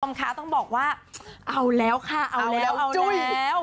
คุณผู้ชมคะต้องบอกว่าเอาแล้วค่ะเอาแล้วเอาจู่แล้ว